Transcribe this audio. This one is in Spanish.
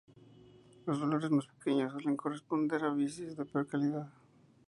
Los valores más pequeños suelen corresponder a bicis de peor calidad.